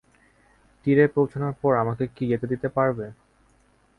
তীরে পৌঁছানোর পর, আমাকে কি যেতে দিতে পারবে?